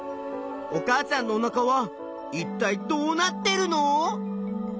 お母さんのおなかはいったいどうなってるの？